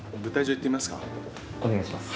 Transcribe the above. お願いします。